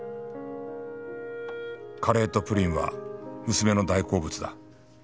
カレーとプリンは娘の大好物だ